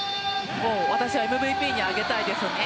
私はＭＶＰに上げたいですね。